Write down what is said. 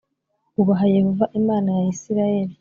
ubaha Yehova Imana ya Isirayeli